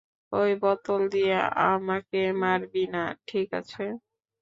ঐ বোতল দিয়ে আমাকে মারবি না, ঠিক আছে?